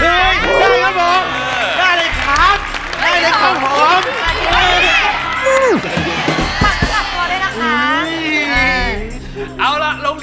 เฮ้ยใช่ครับผม